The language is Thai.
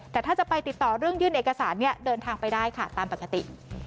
แต่ถ้าจะไปติดต่อเรื่องยื่นเอกสารเนี่ยเดินทางไปได้ค่ะตามปกติ